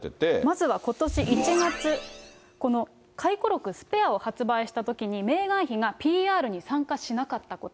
まずはことし１月、この回顧録、スペアを発売したときに、メーガン妃がＰＲに参加しなかったこと。